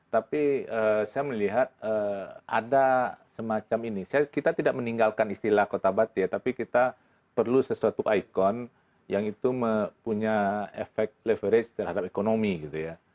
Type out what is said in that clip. tapi saya melihat ada semacam ini kita tidak meninggalkan istilah kota bati ya tapi kita perlu sesuatu ikon yang itu punya efek leverage terhadap ekonomi gitu ya